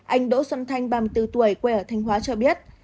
anh đỗ xuân thanh ba mươi bốn tuổi quê ở thanh hóa cho biết